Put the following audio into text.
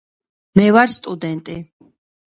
მე ვარ სტუდენტი.